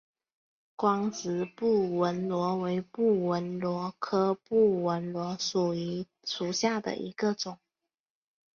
光泽布纹螺为布纹螺科布纹螺属下的一个种。